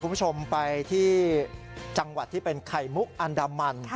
คุณผู้ชมไปที่จังหวัดที่เป็นไข่มุกอันดามัน